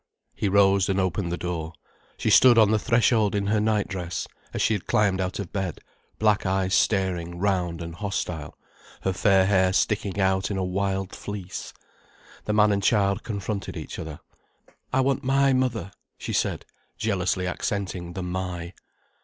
He rose and opened the door. She stood on the threshold in her night dress, as she had climbed out of bed, black eyes staring round and hostile, her fair hair sticking out in a wild fleece. The man and child confronted each other. "I want my mother," she said, jealously accenting the "my".